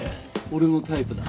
俺のタイプだ。